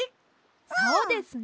そうですね！